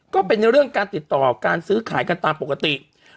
ก็เป็นเรื่องการติดต่อการซื้อขายกันตามปกติ